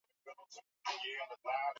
kuwahi kuugua ugonjwa huo hapo awali